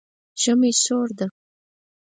ژمی سوړ ده